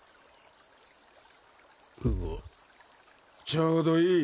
ちょうどいい。